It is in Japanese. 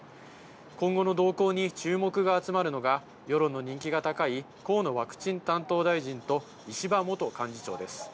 今後の動向に注目が集まるのが、世論の人気が高い河野ワクチン担当大臣と石破元幹事長です。